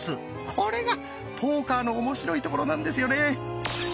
これがポーカーの面白いところなんですよね！